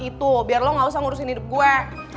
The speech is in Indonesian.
itu biar lo gak usah ngurusin hidup gue